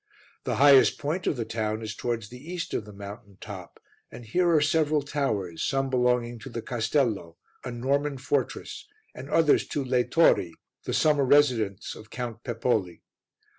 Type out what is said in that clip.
The highest point of the town is towards the east of the mountain top, and here are several towers, some belonging to the Castello, a Norman fortress, and others to Le Torri, the summer residence of Count Pepoli.